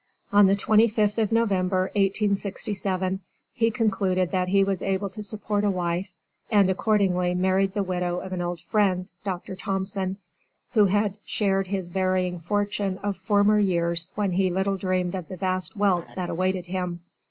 On the 25th of November, 1867, he concluded that he was able to support a wife, and accordingly married the widow of an old friend (Dr. Thompson) who had shared his varying fortune of former years when he little dreamed of the vast wealth that awaited him.